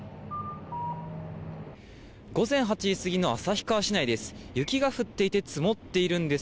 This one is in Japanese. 午前８時過ぎの旭川市内です。